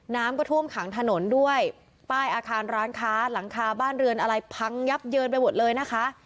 น้ำก็ท่วมขังถนนด้วยป้ายอาคารร้านค้าหลังคาบ้านเรือนอะไรพังยับเยินไปหมดเลยนะคะ